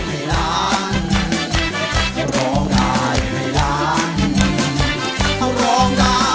ร้องได้ให้ล้าน